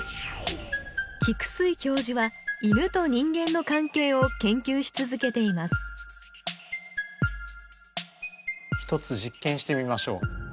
菊水教授は犬と人間の関係を研究し続けています一つ実験してみましょう。